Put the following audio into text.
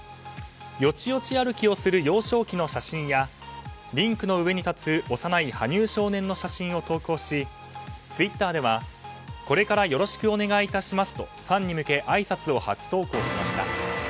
よちよち歩きをする幼少期の写真やリンクの上に立つ幼い羽生少年の写真を投稿しツイッターではこれからよろしくお願いいたしますとファンに向けあいさつを初投稿しました。